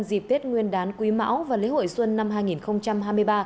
dịp tết nguyên đán quý mão và lễ hội xuân năm hai nghìn hai mươi ba